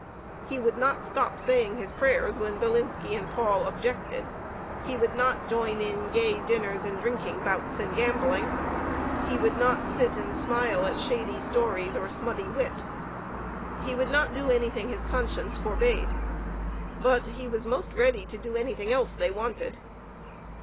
He would not stop saying his prayers when Bilinski and Paul objected, he would not join in gay dinners and drinking bouts and gambling, he would not sit and smile at shady stories or smutty wit. He would no? do anything his conscience forbade. But he was most ready to do anything else they wanted.